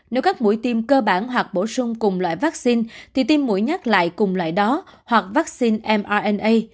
nếu các mũi tiêm cơ bản hoặc bổ sung cùng loại vaccine thì tiêm mũi nhắc lại cùng loại đó hoặc vaccine mrna